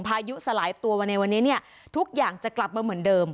พายุสลายตัวมาในวันนี้เนี่ยทุกอย่างจะกลับมาเหมือนเดิม